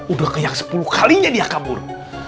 udah ke yang sepuluh kalinya dia kabur